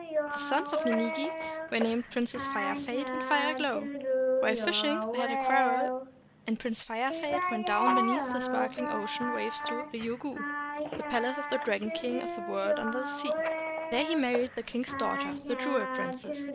The sons of Ninigi were named Princes Fire Fade and Fire Glow. While fishing, they had a quarrel, and Prince Fire Fade went down beneath the sparkHng ocean 281 JAPAN waves to Riu Gu, the palace of the Dragon King of the World under the Sea; there he married the King's daughter, the Jewel Princess.